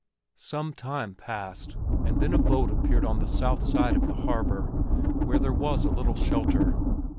Some time passed, and then a boat appeared on the south side of the harbor, where there was a little shelter.